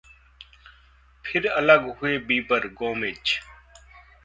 फिर अलग हुए बीबर, गोमेज